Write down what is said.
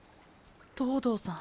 東堂さん。